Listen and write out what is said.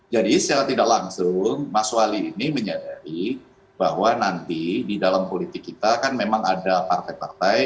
jadi secara tidak langsung mas wali ini menyadari bahwa nanti di dalam politik kita kan memang ada partai partai